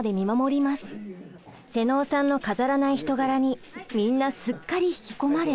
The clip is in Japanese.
セノーさんの飾らない人柄にみんなすっかり引き込まれ。